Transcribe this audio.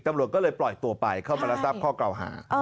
ตำรวจก็เลยปล่อยตัวไปเข้ามารับทราบข้อเก่าหา